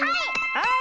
はい！